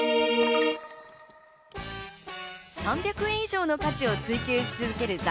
３００円以上の価値を追求し続ける